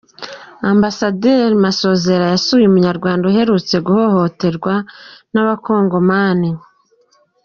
Ambasaderi Masozera yasuye Umunyarwanda uherutse guhohoterwa n’Abakongomani